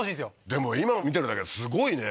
でも今の見てるだけですごいね。